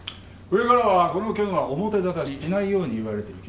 上からはこの件は表沙汰にしないように言われてる。